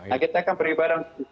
nah kita kan beribadah